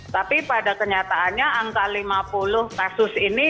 tapi pada kenyataannya angka lima puluh kasus ini